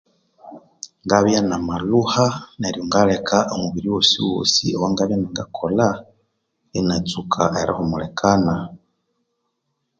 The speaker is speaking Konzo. Ngabya namalhuha, neryo ngaleka omubiri wosi wosi owangabya ininga kolha inatsuka erihumulikana